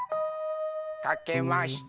かけました。